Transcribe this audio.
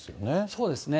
そうですね。